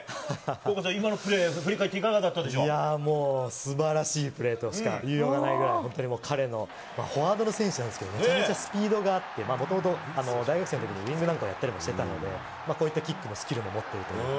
福岡さん、今のプレー振り返っていやぁ、もうすばらしいプレーとしか言いようがないぐらい、本当にもう彼の、フォワードの選手なんですけれども、めちゃめちゃスピードがあって、もともと大学生のころ、ウイングなんかをやっていたので、こういったキックのスキルも持っているという。